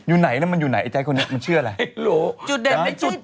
อยู่ไหนแล้วมันอยู่ไหนไอ้ใจคนนี้มันเชื่ออะไร